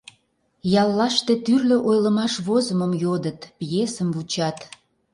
Яллаште тӱрлӧ ойлымаш возымым йодыт, пьесым вучат.